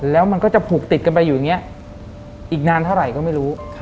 แล้วมันก็จะผูกติดกันไปอยู่อย่างนี้อีกนานเท่าไหร่ก็ไม่รู้